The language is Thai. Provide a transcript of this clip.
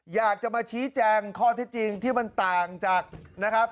อยากจะมาชี้แจงข้อที่จริงที่มันต่างจากนะครับ